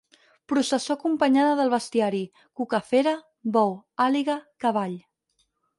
Processó acompanyada del bestiari: cucafera, bou, àliga, cavall.